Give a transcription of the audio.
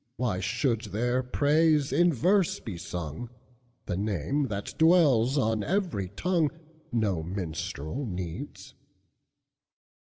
Why should their praise in verse be sung? The name, that dwells on every tongue, No minstrel needs.